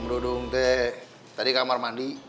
om dudung teh tadi kamar mandi